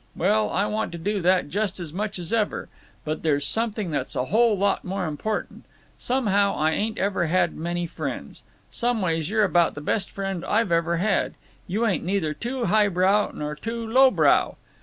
Well, I want to do that just as much as ever. But there's something that's a whole lot more important. Somehow, I ain't ever had many friends. Some ways you're about the best friend I've ever had—you ain't neither too highbrow or too lowbrow.